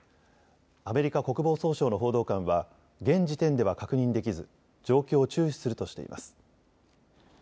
アメリカ国防総省の報道官は現時点では確認できず状況を注視するとしています。